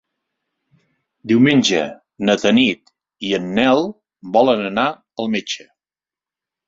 Diumenge na Tanit i en Nel volen anar al metge.